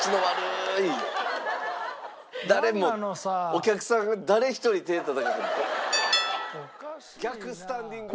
お客さんが誰一人手たたかへんもん。